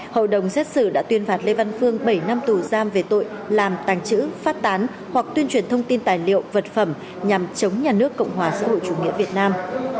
hội đồng xét xử đã tuyên phạt lê văn phương bảy năm tù giam về tội làm tàng trữ phát tán hoặc tuyên truyền thông tin tài liệu vật phẩm nhằm chống nhà nước cộng hòa xã hội chủ nghĩa việt nam